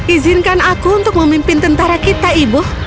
izinkan aku untuk memimpin tentara kita ibu